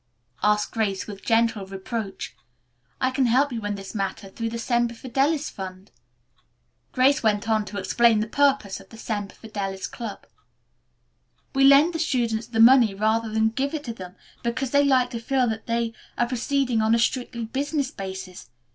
asked Grace with gentle reproach. "I can help you in this matter through the Semper Fidelis fund." Grace went on to explain the purpose of the Semper Fidelis Club. "We lend the students the money rather than give it to them, because they like to feel that they are proceeding on a strictly business basis.